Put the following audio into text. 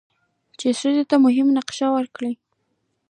چې ښځې ته مهم نقش ورکړي؛